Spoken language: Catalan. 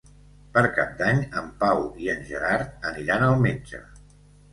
Per Cap d'Any en Pau i en Gerard aniran al metge.